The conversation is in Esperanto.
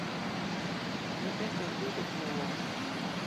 Ni estas dudek naŭope.